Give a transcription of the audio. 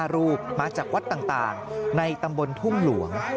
รูปมาจากวัดต่างในตำบลทุ่งหลวง